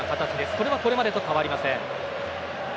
これは、これまでと変わりません。